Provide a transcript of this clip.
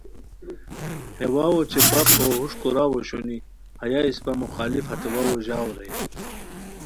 ہے واؤ اوچے باپ ہو ہوݰکوراؤ اوشونی ہیہ اسپہ مخالف ہتے واؤ ژاؤ رے